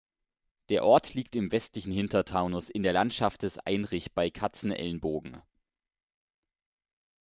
Der Ort liegt im westlichen Hintertaunus in der Landschaft des Einrich, bei Katzenelnbogen.